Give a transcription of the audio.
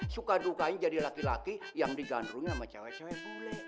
suka dukanya jadi laki laki yang digandrungin sama cewek cewek